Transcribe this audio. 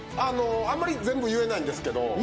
あんまり言えないんですけど。